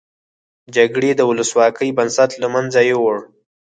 جګړې د ولسواکۍ بنسټ له مینځه یوړ.